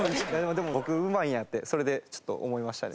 でも僕うまいんやってそれでちょっと思いましたね。